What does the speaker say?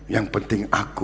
yang penting aku